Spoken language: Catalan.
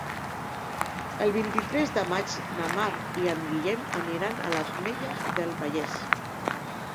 El vint-i-tres de maig na Mar i en Guillem aniran a l'Ametlla del Vallès.